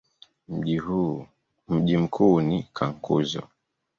Mji mkuu ni Cankuzo.